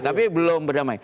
tapi belum berdamai